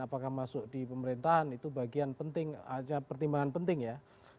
apakah masuk di pemerintahan itu bagian penting aja pertimbangan penting ya